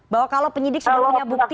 bahwa kalau penyidik sudah punya bukti